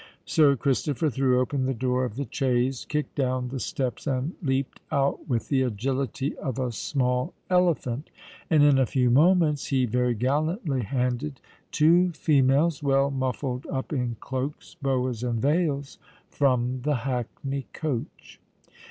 Sir Christopher threw open the door of the chaise, kicked down the steps, and leaped out with the agility of a small elephant; and in a few moments he very gallantly handed two females, well muffled up in cloaks, boas, and veils, from the hackney coach.